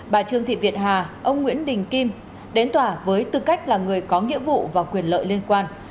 bà trương thị việt hà ông nguyễn đình kim đến tòa với tư cách là người có nghĩa vụ và quyền lợi liên quan